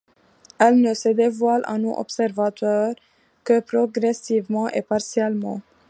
Elle ne se dévoile à nous – observateurs – que progressivement et partiellement.